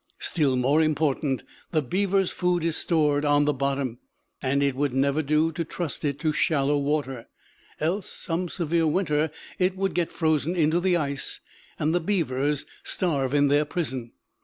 Still more important, the beaver's food is stored on the bottom; and it would never do to trust it to shallow water, else some severe winter it would get frozen into the ice, and the beavers starve in their prison.